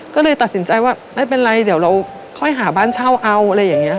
ก็เลยตัดสินใจว่าไม่เป็นไรเดี๋ยวเราค่อยหาบ้านเช่าเอาอะไรอย่างนี้